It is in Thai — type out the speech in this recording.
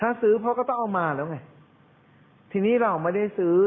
ถ้าซื้อพ่อก็ต้องเอามาแล้วไงทีนี้เราไม่ได้ซื้อ